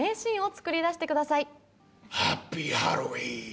ハッピーハロウィーン。